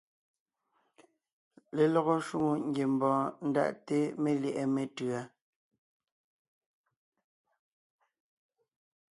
Lelɔgɔ shwòŋo ngiembɔɔn ndaʼte melyɛ̌ʼɛ metʉ̌a.